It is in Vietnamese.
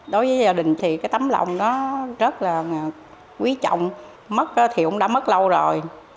đối với gia đình thì tấm lòng rất là quý trọng mất thì cũng đã mất lâu rồi